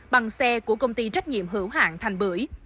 bằng xe của công ty trách nhiệm hữu hạng thành bưởi